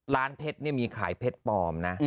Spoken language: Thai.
ร้านเพชรนี่มีขายเพชรปลอมนะ